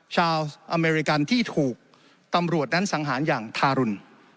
ชาวอเมริกันที่ถูกตำรวจนั้นสังหารอย่างทารุณ